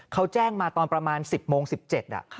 เขาแจ้งมาตอนประมาณ๑๐โมง๑๗